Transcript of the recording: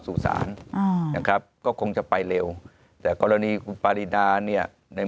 สู่ศาลอ่านะครับก็คงจะไปเร็วแต่กรณีคุณปารีนาเนี่ยใน